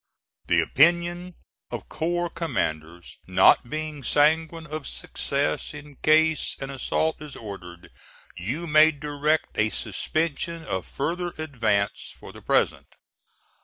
The opinion of corps commanders not being sanguine of success in case an assault is ordered, you may direct a suspension of farther advance for the present.